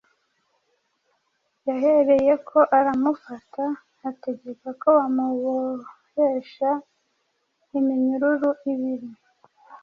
Yahereyeko “aramufata, ategeka ko bamubohesha iminyururu ibiri,